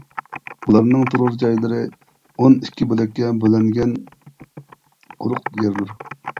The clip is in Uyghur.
ئۇلارنىڭ تۇرار جايلىرى ئون ئىككى بۆلەككە بۆلەنگەن قۇرۇق يەردۇر.